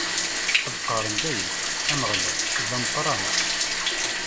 Ad qqaren dayem: Ameɣlal, d ameqqran!